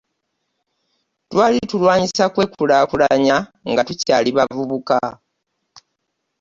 Twali tulwanyisa kwekulakulanya nga tukyali bavubuka.